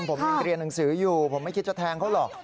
ผมยังเรียนหนังสืออยู่ผมไม่คิดจะแทงเขาหรอก